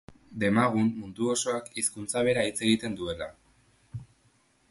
Demagun mundu osoak hizkuntza bera hitz egiten duela.